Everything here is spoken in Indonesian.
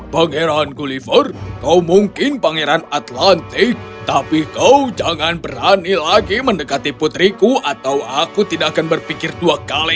pangeran gulliver kau mungkin pangeran atlante tapi kau jangan berani lagi mendekati putriku atau aku tidak akan berpikir dua kali